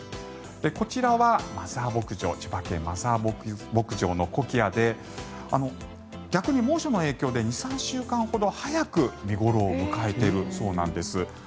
こちらは千葉県・マザー牧場のコキアで逆に猛暑の影響で２３週間ほど早く見頃を迎えているそうなんです。